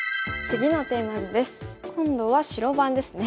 今度は白番ですね。